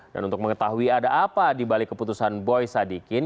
dan untuk mengetahui ada apa di balik keputusan boy sadikin